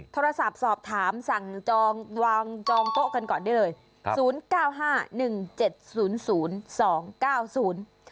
โทรศัพท์สอบถามสั่งจองวางจองโต๊ะกันก่อนได้เลย